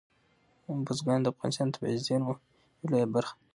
بزګان د افغانستان د طبیعي زیرمو یوه لویه برخه ده.